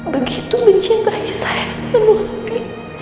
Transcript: begitu mencintai saya sepenuh hati